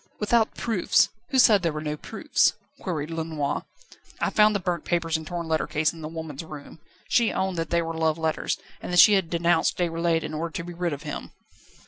"Without proofs? Who said there were no proofs?" queried Lenoir. "I found the burnt papers and torn letter case in the woman's room. She owned that they were love letters, and that she had denounced Déroulède in order to be rid of him."